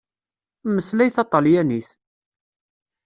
Mmeslay taṭalyanit!